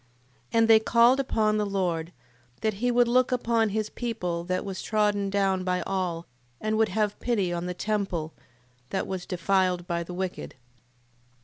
8:2. And they called upon the Lord, that he would look upon his people that was trodden down by all and would have pity on the temple, that was defiled by the wicked: 8:3.